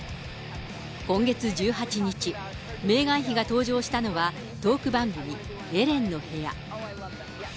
今月１８日、メーガン妃が登場したのはトーク番組、エレンの部屋。